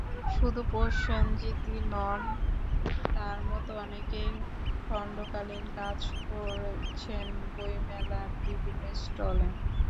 শুধু প্রসেনজিৎই নন, তাঁর মতো অনেকেই খণ্ডকালীন কাজ করছেন বইমেলার বিভিন্ন স্টলে।